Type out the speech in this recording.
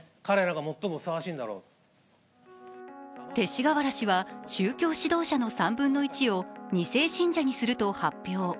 勅使河原氏は宗教指導者の３分の１を２世信者にすると発表。